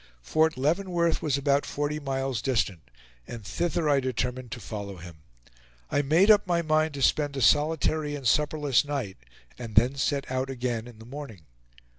Fort Leavenworth was about forty miles distant, and thither I determined to follow him. I made up my mind to spend a solitary and supperless night, and then set out again in the morning.